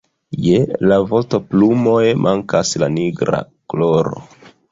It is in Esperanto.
Je la vostoplumoj mankas la nigra koloro.